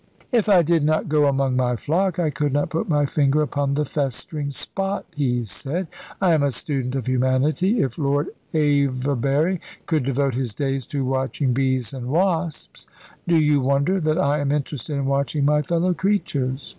"If I did not go among my flock, I could not put my finger upon the festering spot," he said. "I am a student of humanity. If Lord Avebury could devote his days to watching bees and wasps, do you wonder that I am interested in watching my fellow creatures?